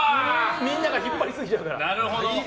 みんなが引っ張り過ぎちゃうから。